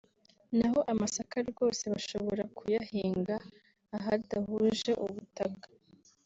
naho amasaka rwose bashobora kuyahinga ahadahuje ubutaka